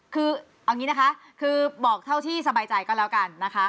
คือเอาอย่างนี้นะคะคือบอกเท่าที่สบายใจก็แล้วกันนะคะ